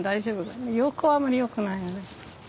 横はあんまりよくないよね。